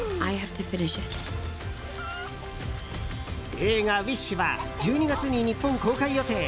映画「ウィッシュ」は１２月に日本公開予定。